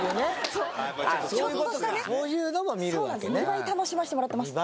２倍楽しませてもらってます。